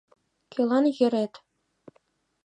Кӧлан йӧрет?..